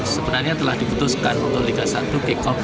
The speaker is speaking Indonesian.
sebenarnya telah diputuskan untuk liga satu kick off